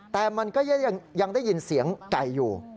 แต่มันก็ยังได้ยินเสียงไก่อยู่